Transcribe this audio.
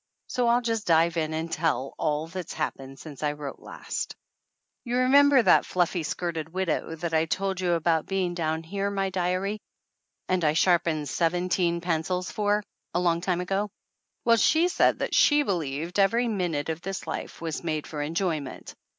So I'll just dive in and tell all that happened since I wrote last. 253 THE ANNALS OF ANN You remember that fluffy skirted widow that I told you about being down here, my diary, and I sharpened seventeen pencils for a long time ago? Well, she said that she believed every minute of this life was made for enjoyment.